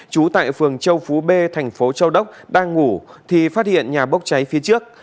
trú tại phường châu phú b tp châu đốc đang ngủ thì phát hiện nhà bốc cháy phía trước